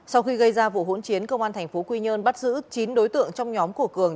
sau khi gây ra vụ hỗn chiến công an tp quy nhơn bắt giữ chín đối tượng trong nhóm của cường